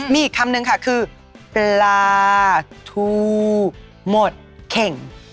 มีอีกคำนึงค่ะคือปลาทูหมดเข่ง